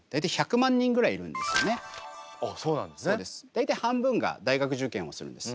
大体半分が大学受験をするんです。